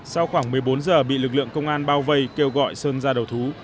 sau khoảng một mươi bốn giờ bị lực lượng công an bao vây kêu gọi sơn ra đầu thú